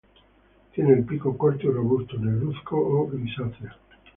Tiene el pico corto y robusto, negruzco o grisáceo.